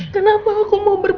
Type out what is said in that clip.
kenapa aku mau berguna